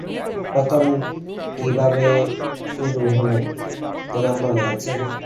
প্রথম কীভাবে এটা শুরু হল তোমার মনে আছে?